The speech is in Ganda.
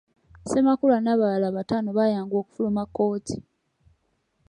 Ssemakula n’abalala bataano bayanguwa okufuluma kkooti.